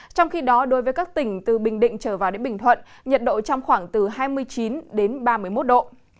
trong khi đó đối với các tỉnh từ bình định trở vào đến bình thuận nhiệt độ trong khoảng từ hai mươi chín ba mươi một độ